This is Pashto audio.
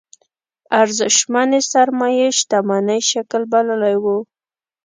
ارزشمنې سرمايې شتمنۍ شکل بللی شو.